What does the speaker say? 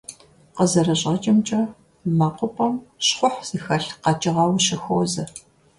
КъызэрыщӀэкӀымкӀэ, мэкъупӀэм щхъухь зыхэлъ къэкӀыгъэ ущыхуозэ.